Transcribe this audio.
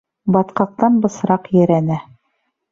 Батҡаҡтан бысраҡ ерәнә.